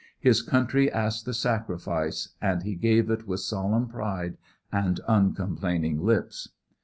His country asked the sacrifice and he gave it with solemn pride and uncomplaining lips.